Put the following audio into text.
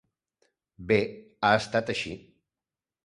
Bé, ha estat així.